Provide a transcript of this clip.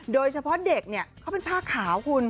โดยเฉพาะเด็กเนี่ยเขาเป็นผ้าขาวคุณ